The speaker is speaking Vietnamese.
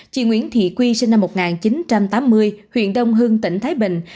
chị nguyễn thị quy sinh năm một nghìn chín trăm tám mươi huyện đông hưng tỉnh thái bình